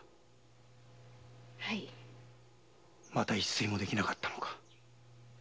また一睡も出来なかったのか？